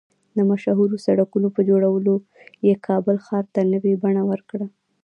د مشهورو سړکونو په جوړولو یې کابل ښار ته نوې بڼه ورکړه